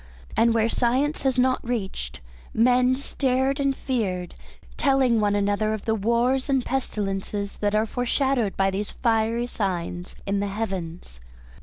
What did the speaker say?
And where science has not reached, men stared and feared, telling one another of the wars and pestilences that are foreshadowed by these fiery signs in the Heavens.